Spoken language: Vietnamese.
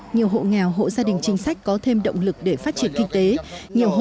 nhiều hộ ở quảng bình nhiều hộ ở quảng bình